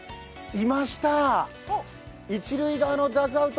いました、一塁側のダグアウト。